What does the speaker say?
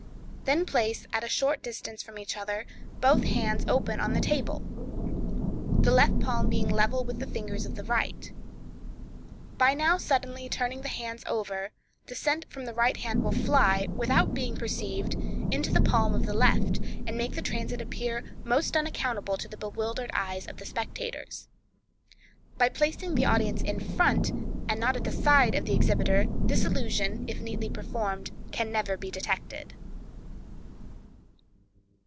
Then place, at a short distance from each other, both hands open on the table, the left palm being level with the fingers of the right. By now suddenly turning the hands over, the cent from the right hand will fly, without being perceived, into the palm of the left, and make the transit appear most unaccountable to the bewildered eyes of the spectators. By placing the audience in front, and not at the side of the exhibitor, this illusion, if neatly performed, can never be detected.